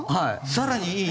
さらにいい？